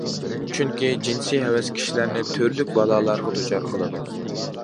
چۈنكى, جىنسىي ھەۋەس كىشىلەرنى تۈرلۈك بالالارغا دۇچار قىلىدۇ.